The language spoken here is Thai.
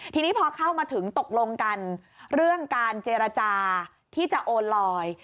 ทีนี้พอเข้ามาถึงตกลงกันเรื่องการเจรจาที่จะโอนลอย